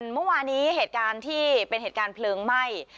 เมื่อวานี้เหตุการณ์ที่เป็นเหตุการณ์เพลิงไหม้